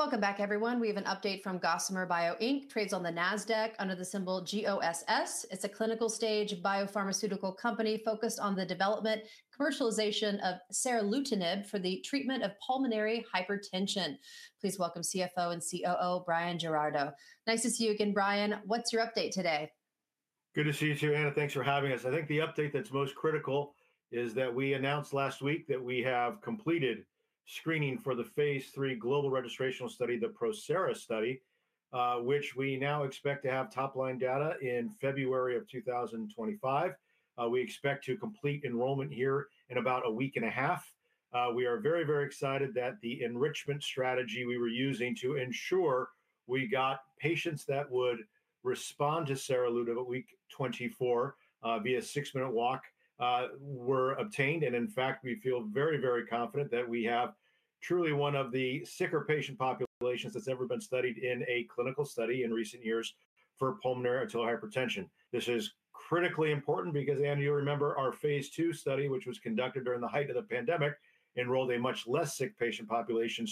Welcome back, everyone. We have an update from Gossamer Bio. Trades on the NASDAQ under the symbol GOSS. It's a clinical-stage biopharmaceutical company focused on the development and commercialization of seralutinib for the treatment of pulmonary hypertension. Please welcome CFO and COO Bryan Giraudo. Nice to see you again, Bryan. What's your update today? Good to see you too, Anna. Thanks for having us. I think the update that's most critical is that we announced last week that we have completed screening for the phase III global registration study, the PROSERA study, which we now expect to have top-line data in February of 2025. We expect to complete enrollment here in about a week and a half. We are very, very excited that the enrichment strategy we were using to ensure we got patients that would respond to seralutinib at week 24 via six-minute walk were obtained. In fact, we feel very, very confident that we have truly one of the sicker patient populations that's ever been studied in a clinical study in recent years for pulmonary arterial hypertension. This is critically important because, Anna, you remember our phase II study, which was conducted during the height of the pandemic, enrolled a much less sick patient population.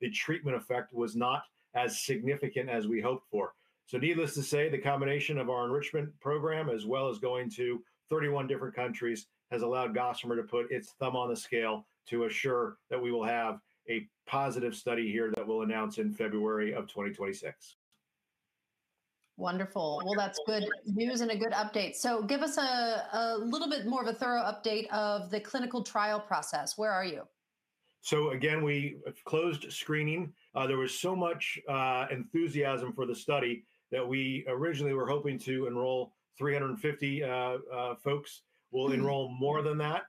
The treatment effect was not as significant as we hoped for. Needless to say, the combination of our enrichment program as well as going to 31 different countries has allowed Gossamer to put its thumb on the scale to assure that we will have a positive study here that we'll announce in February of 2026. Wonderful. That is good news and a good update. Give us a little bit more of a thorough update of the clinical trial process. Where are you? Again, we closed screening. There was so much enthusiasm for the study that we originally were hoping to enroll 350 folks. We'll enroll more than that.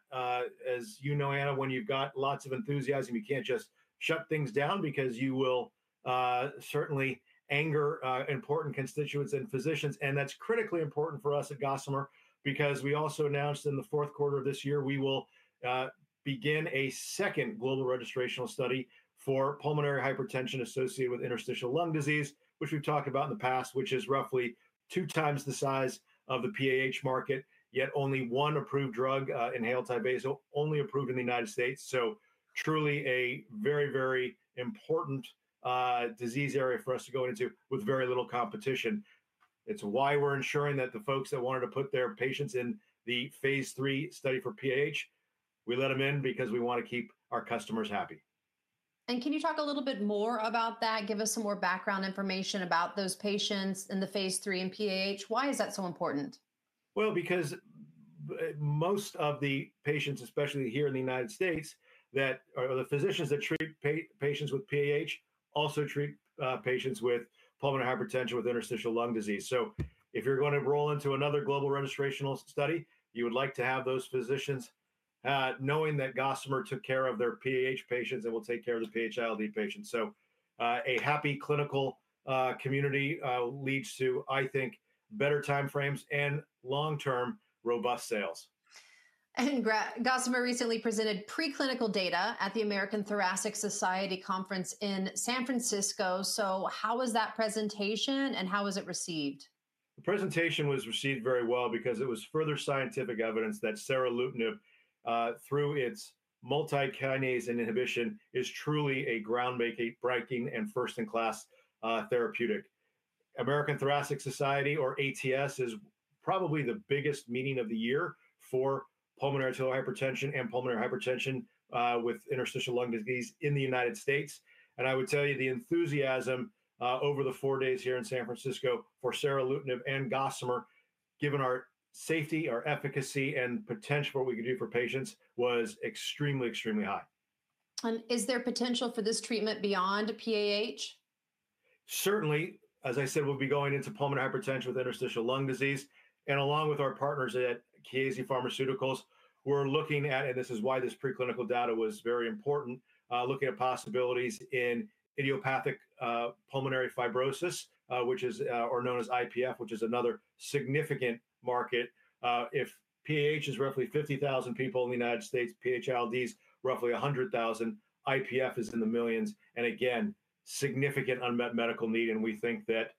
As you know, Anna, when you've got lots of enthusiasm, you can't just shut things down because you will certainly anger important constituents and physicians. That's critically important for us at Gossamer because we also announced in the fourth quarter of this year, we will begin a second global registration study for pulmonary hypertension associated with interstitial lung disease, which we've talked about in the past, which is roughly two times the size of the PAH market, yet only one approved drug, inhaled Tyvaso, so only approved in the United States. Truly a very, very important disease area for us to go into with very little competition. It's why we're ensuring that the folks that wanted to put their patients in the phase III study for PAH, we let them in because we want to keep our customers happy. Can you talk a little bit more about that? Give us some more background information about those patients in the phase III and PAH. Why is that so important? Because most of the patients, especially here in the United States, that are the physicians that treat patients with PAH, also treat patients with pulmonary hypertension with interstitial lung disease. If you're going to roll into another global registration study, you would like to have those physicians knowing that Gossamer took care of their PAH patients and will take care of the PH-ILD patients. A happy clinical community leads to, I think, better timeframes and long-term robust sales. Gossamer recently presented preclinical data at the American Thoracic Society Conference in San Francisco. How was that presentation and how was it received? The presentation was received very well because it was further scientific evidence that seralutinib, through its multi-kinase inhibition, is truly a groundbreaking and first-in-class therapeutic. American Thoracic Society, or ATS, is probably the biggest meeting of the year for pulmonary arterial hypertension and pulmonary hypertension with interstitial lung disease in the United States. I would tell you the enthusiasm over the four days here in San Francisco for seralutinib and Gossamer, given our safety, our efficacy, and potential for what we could do for patients, was extremely, extremely high. Is there potential for this treatment beyond PAH? Certainly. As I said, we'll be going into pulmonary hypertension with interstitial lung disease. Along with our partners at Chiesi Pharmaceuticals, we're looking at, and this is why this preclinical data was very important, looking at possibilities in idiopathic pulmonary fibrosis, which is known as IPF, which is another significant market. If PAH is roughly 50,000 people in the United States, PH-ILD is roughly 100,000, IPF is in the millions. Again, significant unmet medical need. We think that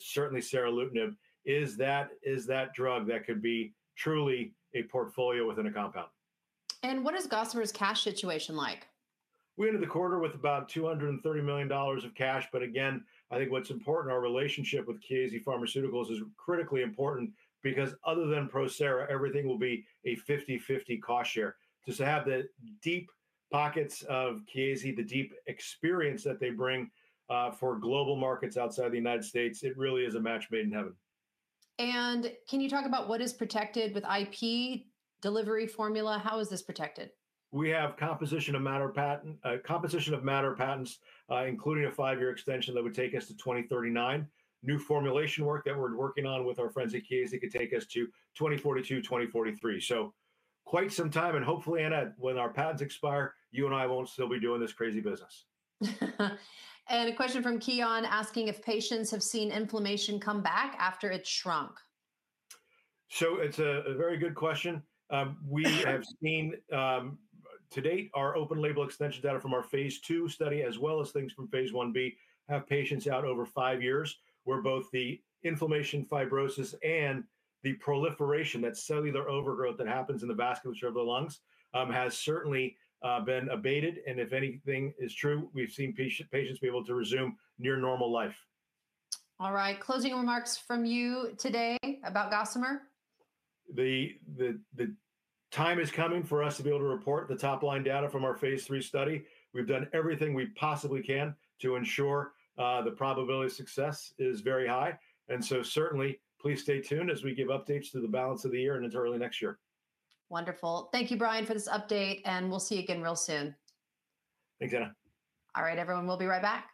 certainly seralutinib is that drug that could be truly a portfolio within a compound. What is Gossamer's cash situation like? We entered the quarter with about $230 million of cash. I think what's important, our relationship with Chiesi Pharmaceuticals is critically important because other than PROSERA, everything will be a 50/50 cost share. To have the deep pockets of Chiesi, the deep experience that they bring for global markets outside the United States, it really is a match made in heaven. Can you talk about what is protected with IP delivery formula? How is this protected? We have composition of matter patents, including a five-year extension that would take us to 2039. New formulation work that we're working on with our friends at Chiesi could take us to 2042, 2043. Quite some time. Hopefully, Anna, when our patents expire, you and I won't still be doing this crazy business. A question from Kian asking if patients have seen inflammation come back after it shrunk. It's a very good question. We have seen to date our open-label extension data from our phase II study, as well as things from phase Ib, have patients out over five years where both the inflammation, fibrosis, and the proliferation, that cellular overgrowth that happens in the vasculature of the lungs, has certainly been abated. If anything is true, we've seen patients be able to resume near normal life. All right. Closing remarks from you today about Gossamer? The time is coming for us to be able to report the top-line data from our phase III study. We've done everything we possibly can to ensure the probability of success is very high. Certainly, please stay tuned as we give updates through the balance of the year and into early next year. Wonderful. Thank you, Brian, for this update. We will see you again real soon. Thanks, Anna. All right, everyone, we'll be right back.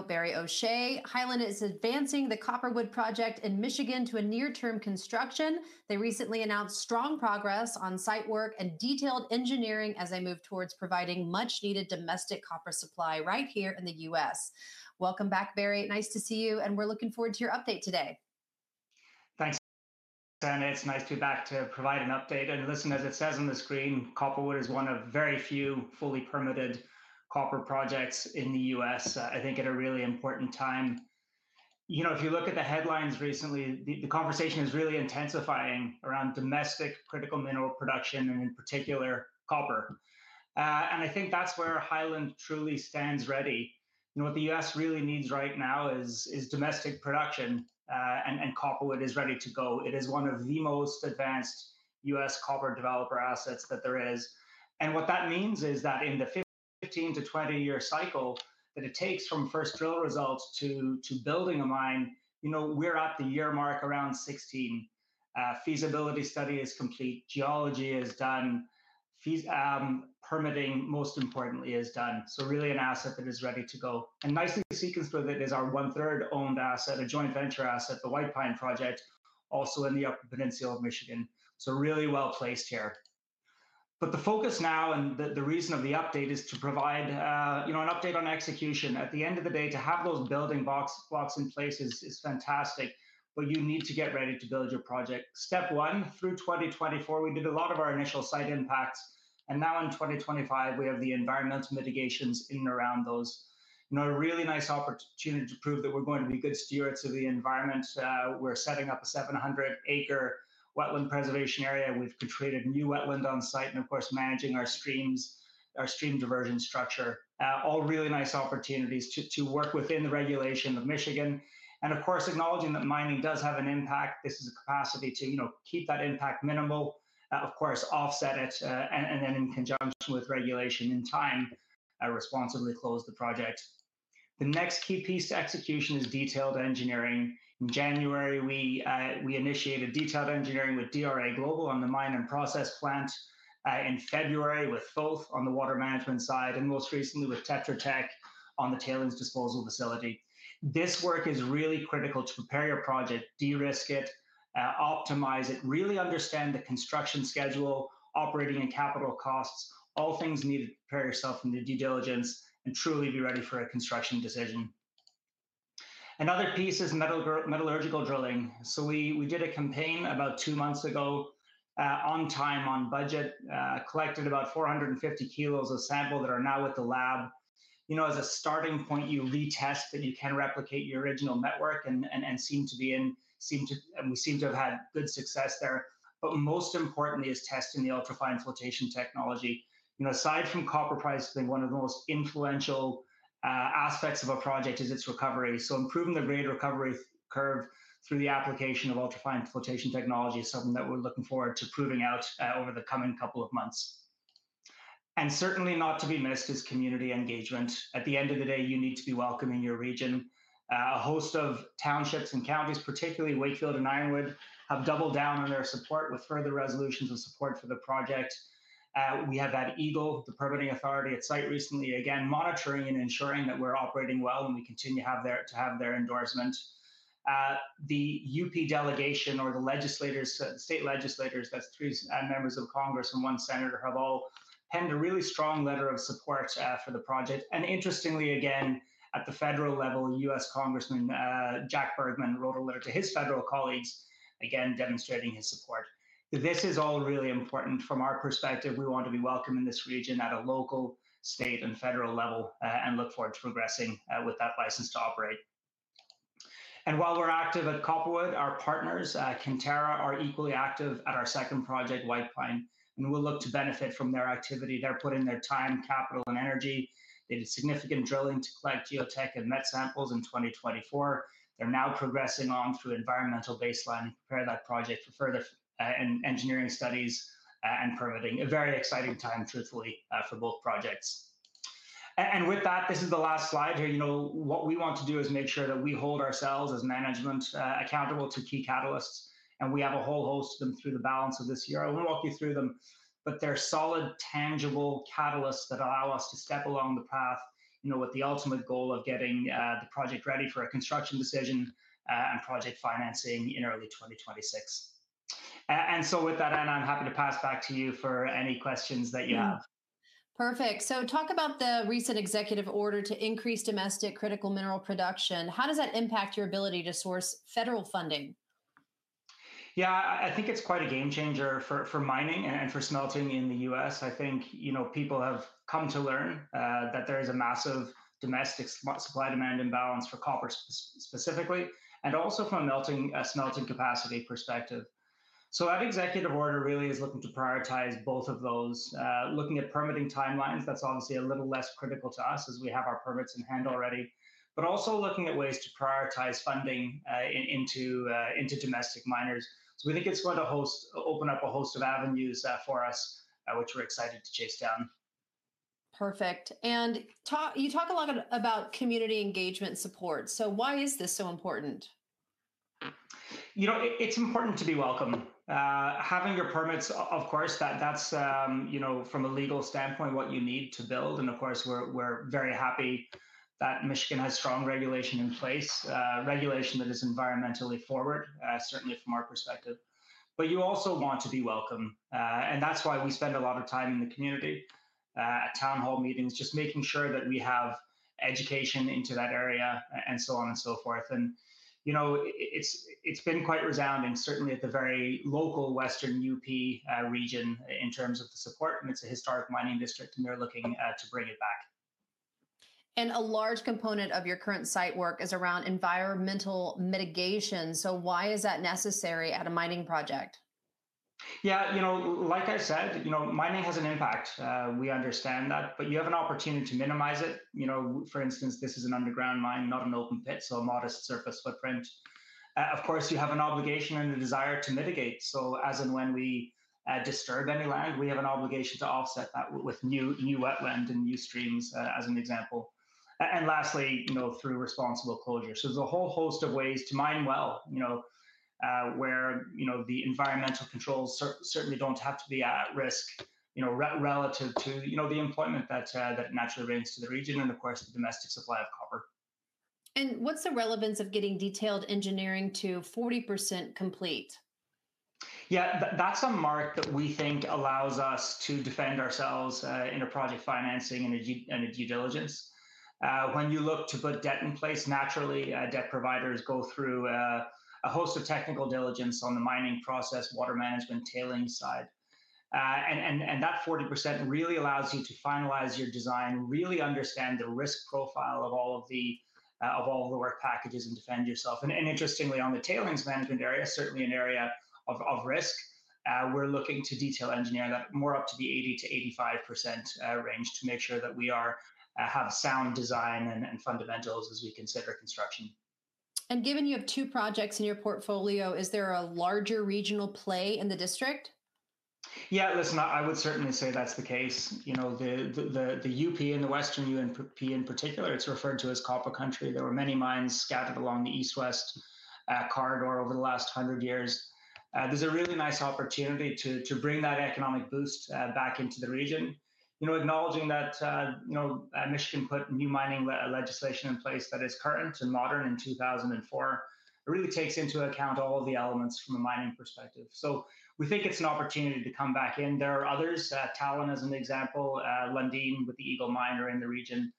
CEO Barry O'Shea, Highland is advancing the Copperwood Project in Michigan to a near-term construction. They recently announced strong progress on site work and detailed engineering as they move towards providing much-needed domestic copper supply right here in the U.S.. Welcome back, Barry. Nice to see you. And we're looking forward to your update today. Thanks, Anna. It's nice to be back to provide an update. Listen, as it says on the screen, Copperwood is one of very few fully permitted copper projects in the U.S., I think, at a really important time. You know, if you look at the headlines recently, the conversation is really intensifying around domestic critical mineral production and in particular copper. I think that's where Highland truly stands ready. You know, what the U.S. really needs right now is domestic production, and Copperwood is ready to go. It is one of the most advanced U.S. copper developer assets that there is. What that means is that in the 15-20 year cycle that it takes from first drill results to building a mine, you know, we're at the year mark around 16. Feasibility study is complete. Geology is done. Permitting, most importantly, is done. Really an asset that is ready to go. Nicely sequenced with it is our 1/3 owned asset, a joint venture asset, the White Pine Project, also in the Upper Peninsula of Michigan. Really well placed here. The focus now and the reason of the update is to provide, you know, an update on execution. At the end of the day, to have those building blocks in place is fantastic, but you need to get ready to build your project. Step one through 2024, we did a lot of our initial site impacts. Now in 2025, we have the environmental mitigations in and around those. You know, a really nice opportunity to prove that we're going to be good stewards of the environment. We're setting up a 700-acre wetland preservation area. We've created new wetland on site and, of course, managing our streams, our stream diversion structure. All really nice opportunities to work within the regulation of Michigan. Of course, acknowledging that mining does have an impact. This is a capacity to, you know, keep that impact minimal, of course, offset it, and then in conjunction with regulation in time, responsibly close the project. The next key piece to execution is detailed engineering. In January, we initiated detailed engineering with DRA Global on the mine and process plant, in February with both on the water management side, and most recently with Tetra Tech on the tailings disposal facility. This work is really critical to prepare your project, de-risk it, optimize it, really understand the construction schedule, operating and capital costs, all things needed to prepare yourself from the due diligence and truly be ready for a construction decision. Another piece is metallurgical drilling. We did a campaign about two months ago on time, on budget, collected about 450 kg of sample that are now with the lab. You know, as a starting point, you retest that you can replicate your original network and seem to be in, seem to, we seem to have had good success there. Most importantly is testing the ultrafine flotation technology. You know, aside from copper price being one of the most influential aspects of a project is its recovery. Improving the grade recovery curve through the application of ultrafine flotation technology is something that we're looking forward to proving out over the coming couple of months. Certainly not to be missed is community engagement. At the end of the day, you need to be welcoming your region. A host of townships and counties, particularly Wakefield and Ironwood, have doubled down on their support with further resolutions of support for the project. We have had EGLE, the permitting authority at site, recently again monitoring and ensuring that we're operating well and we continue to have their endorsement. The U.P. delegation or the legislators, state legislators, that's three members of Congress and one senator, have all penned a really strong letter of support for the project. Interestingly, again, at the federal level, U.S. Congressman Jack Bergman wrote a letter to his federal colleagues, again, demonstrating his support. This is all really important from our perspective. We want to be welcome in this region at a local, state, and federal level and look forward to progressing with that license to operate. While we're active at Copperwood, our partners, Cantera, are equally active at our second project, White Pine. We will look to benefit from their activity. They're putting their time, capital, and energy. They did significant drilling to collect geotech and met samples in 2024. They're now progressing on through environmental baseline and prepare that project for further engineering studies and permitting. A very exciting time, truthfully, for both projects. With that, this is the last slide here. You know, what we want to do is make sure that we hold ourselves as management accountable to key catalysts. We have a whole host of them through the balance of this year. I won't walk you through them, but they're solid, tangible catalysts that allow us to step along the path, you know, with the ultimate goal of getting the project ready for a construction decision and project financing in early 2026. With that, Anna, I'm happy to pass back to you for any questions that you have. Perfect. Talk about the recent executive order to increase domestic critical mineral production. How does that impact your ability to source federal funding? Yeah, I think it's quite a game changer for mining and for smelting in the U.S. I think, you know, people have come to learn that there is a massive domestic supply demand imbalance for copper specifically, and also from a smelting capacity perspective. That executive order really is looking to prioritize both of those. Looking at permitting timelines, that's obviously a little less critical to us as we have our permits in hand already, but also looking at ways to prioritize funding into domestic miners. We think it's going to open up a host of avenues for us, which we're excited to chase down. Perfect. You talk a lot about community engagement support. Why is this so important? You know, it's important to be welcome. Having your permits, of course, that's, you know, from a legal standpoint, what you need to build. Of course, we're very happy that Michigan has strong regulation in place, regulation that is environmentally forward, certainly from our perspective. You also want to be welcome. That's why we spend a lot of time in the community, at town hall meetings, just making sure that we have education into that area and so on and so forth. You know, it's been quite resounding, certainly at the very local Western UP region in terms of the support. It's a historic mining district, and they're looking to bring it back. A large component of your current site work is around environmental mitigation. Why is that necessary at a mining project? Yeah, you know, like I said, you know, mining has an impact. We understand that, but you have an opportunity to minimize it. You know, for instance, this is an underground mine, not an open pit, so a modest surface footprint. Of course, you have an obligation and a desire to mitigate. As and when we disturb any land, we have an obligation to offset that with new wetland and new streams, as an example. Lastly, you know, through responsible closure. There is a whole host of ways to mine well, you know, where you know the environmental controls certainly do not have to be at risk, you know, relative to, you know, the employment that naturally remains to the region and of course the domestic supply of copper. What's the relevance of getting detailed engineering to 40% complete? Yeah, that's a mark that we think allows us to defend ourselves in a project financing and a due diligence. When you look to put debt in place, naturally, debt providers go through a host of technical diligence on the mining process, water management, tailings side. That 40% really allows you to finalize your design, really understand the risk profile of all of the work packages and defend yourself. Interestingly, on the tailings management area, certainly an area of risk, we're looking to detail engineer that more up to the 80%-85% range to make sure that we have sound design and fundamentals as we consider construction. Given you have two projects in your portfolio, is there a larger regional play in the district? Yeah, listen, I would certainly say that's the case. You know, the UP and the Western UP in particular, it's referred to as Copper Country. There were many mines scattered along the east-west corridor over the last hundred years. There's a really nice opportunity to bring that economic boost back into the region. You know, acknowledging that, you know, Michigan put new mining legislation in place that is current and modern in 2004, it really takes into account all of the elements from a mining perspective. So we think it's an opportunity to come back in. There are others, Talon as an example, Lundin with the Eagle Mine are in the region.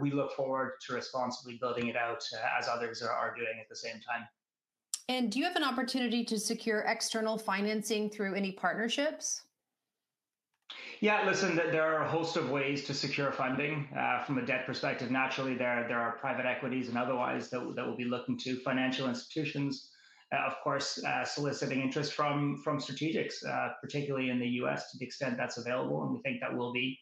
We look forward to responsibly building it out as others are doing at the same time. Do you have an opportunity to secure external financing through any partnerships? Yeah, listen, there are a host of ways to secure funding from a debt perspective. Naturally, there are private equities and otherwise that will be looking to financial institutions, of course, soliciting interest from strategics, particularly in the U.S. to the extent that's available. We think that will be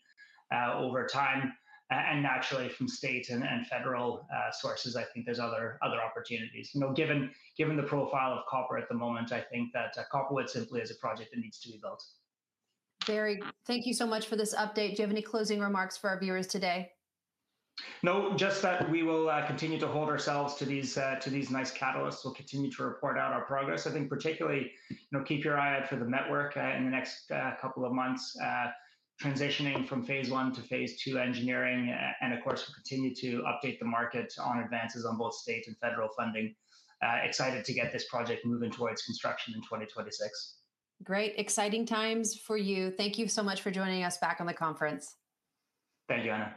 over time. Naturally, from state and federal sources, I think there's other opportunities. You know, given the profile of copper at the moment, I think that Copperwood simply is a project that needs to be built. Barry, thank you so much for this update. Do you have any closing remarks for our viewers today? No, just that we will continue to hold ourselves to these nice catalysts. We'll continue to report out our progress. I think particularly, you know, keep your eye out for the network in the next couple of months, transitioning from phase one to phase two engineering. Of course, we'll continue to update the market on advances on both state and federal funding. Excited to get this project moving towards construction in 2026. Great. Exciting times for you. Thank you so much for joining us back on the conference. Thank you, Anna.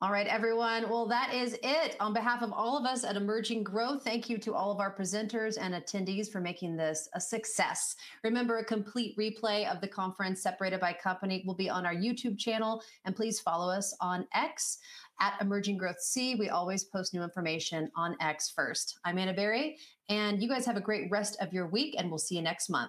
All right, everyone. That is it. On behalf of all of us at Emerging Growth, thank you to all of our presenters and attendees for making this a success. Remember, a complete replay of the conference separated by company will be on our YouTube channel. Please follow us on X @EmergingGrowthC. We always post new information on X first. I'm Anna Berry, and you guys have a great rest of your week, and we'll see you next month.